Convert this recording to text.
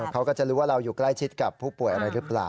เขาก็จะรู้ว่าเราอยู่ใกล้ชิดกับผู้ป่วยอะไรหรือเปล่า